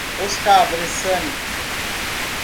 Oscar Bressane